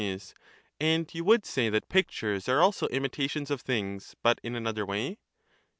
And you would say that pictures are also imitations of things, but in another way?